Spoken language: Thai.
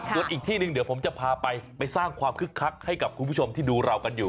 ส่วนอีกที่หนึ่งเดี๋ยวผมจะพาไปไปสร้างความคึกคักให้กับคุณผู้ชมที่ดูเรากันอยู่